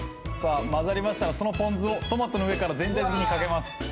さあ混ざりましたらそのポン酢をトマトの上から全体的にかけます。